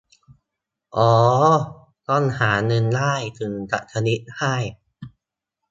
อ้อ ต้องหาเงินได้ถึงจะทวีตได้